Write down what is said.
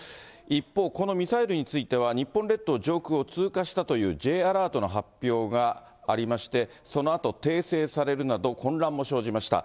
一方、このミサイルについては、日本列島上空を通過したというＪアラートの発表がありまして、そのあと訂正されるなど、混乱も生じました。